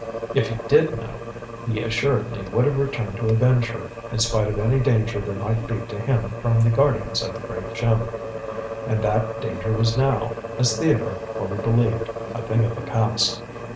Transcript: If he did know, he assuredly would have returned to avenge her, in spite of any danger there might be to him from the guardians of the great gem. And that danger was now, as Theodore fully believed, a thing of the past.